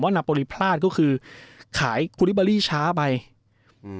ผมว่านาโปรลีพลาดก็คือขายคูลิบารี่ช้าไปอืม